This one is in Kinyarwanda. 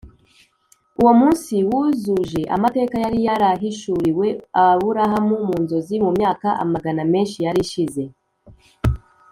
uwo munsi wuzuje amateka yari yarahishuriwe aburahamu mu nzozi mu myaka amagana menshi yari ishize